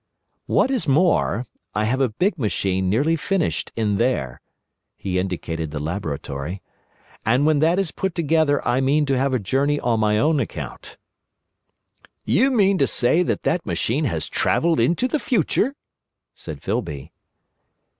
"What is more, I have a big machine nearly finished in there"—he indicated the laboratory—"and when that is put together I mean to have a journey on my own account." "You mean to say that that machine has travelled into the future?" said Filby.